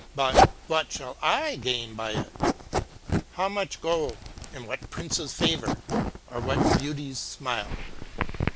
but, What shall / gain by it? how much gold, or what prince's favour, or what beauty's smile?